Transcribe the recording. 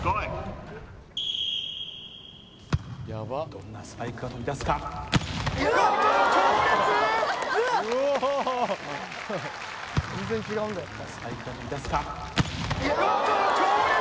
どんなスパイクが飛び出すかおっと強烈！